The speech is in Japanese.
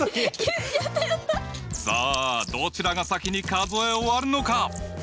さあどちらが先に数え終わるのか？